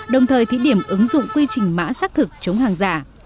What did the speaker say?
đồng thời thí điểm ứng dụng quy trình mã xác thực chống hàng giả